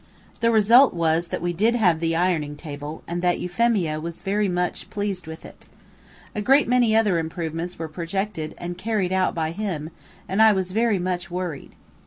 The result was, that we did have the ironing table, and that Euphemia was very much pleased with it. A great many other improvements were projected and carried out by him, and I was very much worried.